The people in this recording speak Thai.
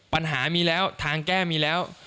ปัญหามีแล้วทางแก้มีแล้ว